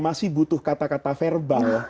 masih butuh kata kata verbal